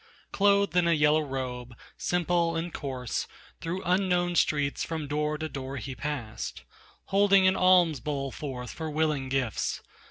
Clothed in a yellow robe, simple and coarse, Through unknown streets from door to door he passed, Holding an alms bowl forth for willing gifts.